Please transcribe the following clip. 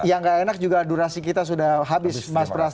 yang gak enak juga durasi kita sudah habis mas pras